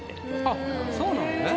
あっそうなのね。